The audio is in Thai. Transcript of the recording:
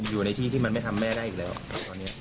อยู่ในที่ที่มันไม่ทำแม่ได้อีกแล้วครับตอนนี้